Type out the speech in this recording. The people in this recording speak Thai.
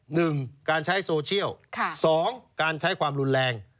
หนึ่งการใช้โซเชียลค่ะสองการใช้ความรุนแรง